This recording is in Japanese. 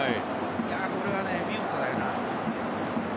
これは見事だよな。